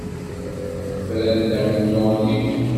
Frant amennuɣ-nni.